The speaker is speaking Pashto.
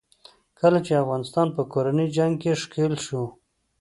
کله چې افغانستان په کورني جنګ کې ښکېل شو.